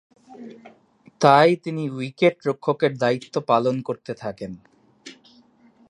তাই তিনি উইকেট-রক্ষকের দায়িত্ব পালন করতে থাকেন।